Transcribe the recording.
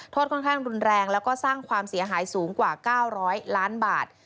ค่อนข้างรุนแรงแล้วก็สร้างความเสียหายสูงกว่า๙๐๐ล้านบาท